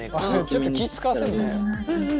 ちょっと気ぃ遣わせんなよ。